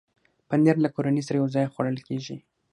پنېر له کورنۍ سره یو ځای خوړل کېږي.